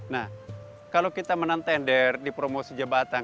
nah kalau kita menantai ender dipromosi jabatan